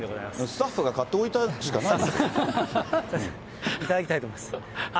スタッフが買っておいたしかないじゃないですか。